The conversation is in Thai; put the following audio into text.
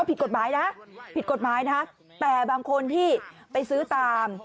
อาจจะว่าผิดกฎหมายนะแต่บางคนที่ไปซื้อตาม